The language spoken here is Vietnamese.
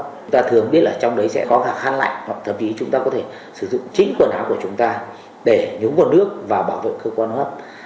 chúng ta thường biết là trong đấy sẽ có cả khăn lạnh hoặc thậm chí chúng ta có thể sử dụng chính quần áo của chúng ta để nhúng nguồn nước vào bảo vệ cơ quan hấp